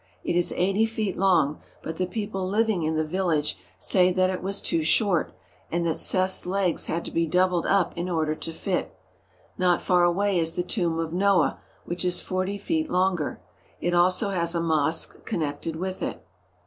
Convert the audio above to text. It is eighty feet long, but the people living in the village say that it was too short and that Seth's legs had to be doubled up in order to fit. Not far away is the tomb of Noah, which is forty feet longer. It also has a mosque connected with it.